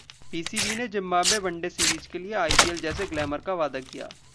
PCB ने Zimbabwe one day series के लिए आईपीएल जैसे ग्लैमर का वादा किया